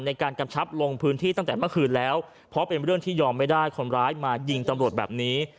กำชับลงพื้นที่ตั้งแต่เมื่อคืนแล้วเพราะเป็นเรื่องที่ยอมไม่ได้คนร้ายมายิงตำรวจแบบนี้